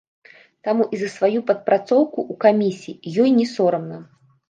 Таму і за сваю падпрацоўку ў камісіі ёй не сорамна.